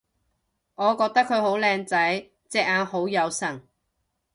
我覺得佢好靚仔！隻眼好有神